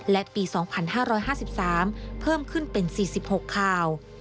และปี๒๕๕๓เพิ่มขึ้นเป็น๔๖ข่าว